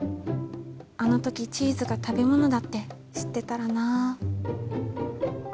あの時チーズが食べ物だって知ってたらなぁ」。